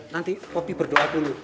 nanti poppy berdoa dulu